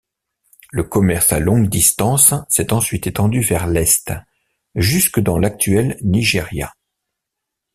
Le commerce à longue distance s'est ensuite étendu vers l'est, jusque dans l'actuel Nigeria.